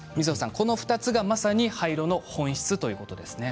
この２つがまさに廃炉の本質ですね。